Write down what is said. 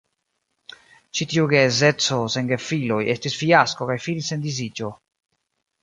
Ĉi tiu geedzeco sen gefiloj estis fiasko kaj finis en disiĝo.